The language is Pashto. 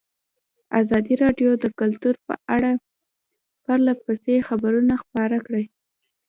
ازادي راډیو د کلتور په اړه پرله پسې خبرونه خپاره کړي.